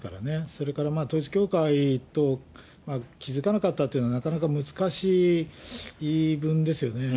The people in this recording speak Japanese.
それから統一教会と気付かなかったというのはなかなか難しい言い分ですよね。